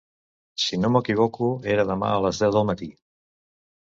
Si no m'equivoco era demà a les deu del matí.